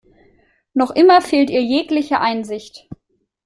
Noch immer fehlt ihr jegliche Einsicht.